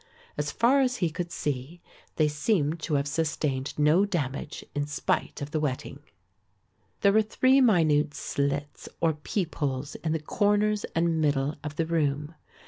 As far as he could see they seemed to have sustained no damage in spite of the wetting. There were three minute slits or peepholes in the corners and middle of the room.